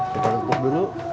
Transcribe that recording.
kita tutup dulu